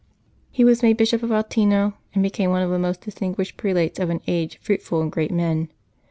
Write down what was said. He was made Bishop of Altino, and became one of the most distinguished prelates of an age fruitful in great men.